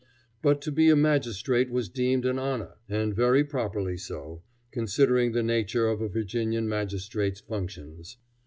But to be a magistrate was deemed an honor, and very properly so, considering the nature of a Virginian magistrate's functions.